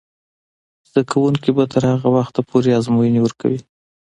زده کوونکې به تر هغه وخته پورې ازموینې ورکوي.